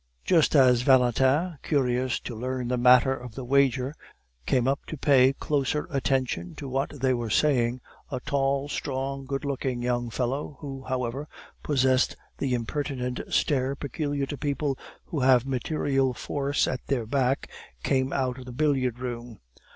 Just as Valentin, curious to learn the matter of the wager, came up to pay closer attention to what they were saying, a tall, strong, good looking young fellow, who, however, possessed the impertinent stare peculiar to people who have material force at their back, came out of the billiard room.